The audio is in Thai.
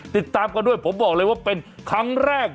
ติดตามกันด้วยผมบอกเลยว่าเป็นครั้งแรก